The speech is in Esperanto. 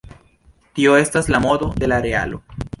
Tio estas la modo de la realo.